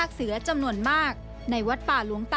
การทำสำนวนคดีนี้จากรายงานครับ